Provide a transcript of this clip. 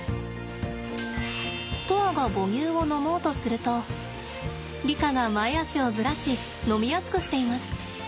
砥愛が母乳を飲もうとするとリカが前肢をずらし飲みやすくしています。